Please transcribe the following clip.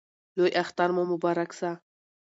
لوی اختر مو مبارک سه!